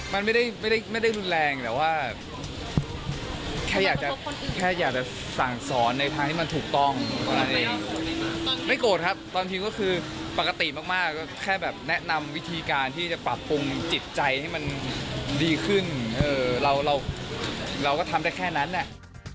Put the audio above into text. มันไม่ได้ไม่ได้รุนแรงแต่ว่าแค่อยากจะแค่อยากจะสั่งสอนในทางที่มันถูกต้องไม่โกรธครับตอนทีมก็คือปกติมากก็แค่แบบแนะนำวิธีการที่จะปรับปรุงจิตใจให้มันดีขึ้นเราเราก็ทำได้แค่นั้นแหละ